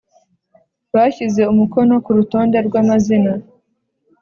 bashyize umukono ku rutonde rw amazina